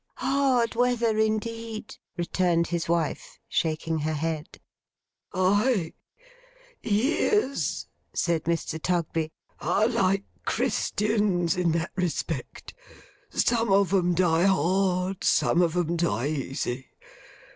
'Hard weather indeed,' returned his wife, shaking her head. 'Aye, aye! Years,' said Mr. Tugby, 'are like Christians in that respect. Some of 'em die hard; some of 'em die easy.